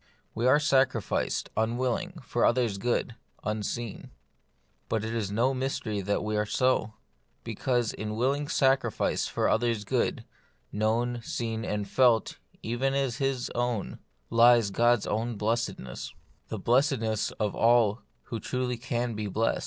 We are sacrificed, unwilling, for others' good, un seen : but it is no mystery that we are so ; because in willing sacrifice for others' good, known, seen, and felt even as His own, lies God's own blessedness ; the blessedness of all who truly can be blest.